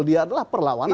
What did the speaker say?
dia adalah perlawanan